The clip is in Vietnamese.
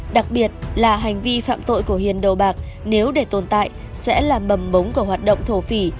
đặc biệt là hành vi phạm tội của hiền đầu bạc nếu để tồn tại sẽ làm bầm bống của hoạt động thổ phỉ